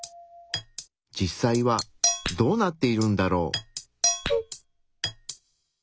実際はどうなっているんだろう？